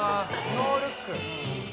ノールック。